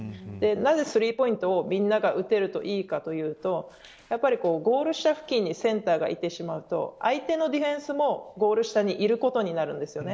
なぜスリーポイントを皆が打てるといいか、というとゴール下付近にセンターがいると相手のディフェンスもゴール下にいることになるんですよね。